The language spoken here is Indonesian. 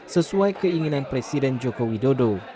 sesuai keinginan presiden joko widodo